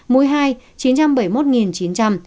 mũi hai chín trăm bảy mươi một chín trăm linh